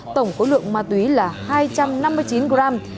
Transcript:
tổng khối lượng ma túy là hai trăm năm mươi chín gram